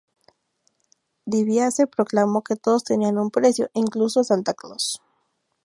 DiBiase proclamó que todos tenían un precio, incluso Santa Claus.